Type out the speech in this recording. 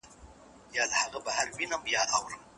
هوکې سوله تل د انسانانو تر ټولو لویه اړتیا ده.